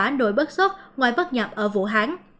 và một đội bất xốt ngoài bất nhập ở vũ hán